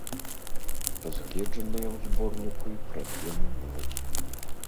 Разгледжаныя ў зборніку й праблемы моладзі.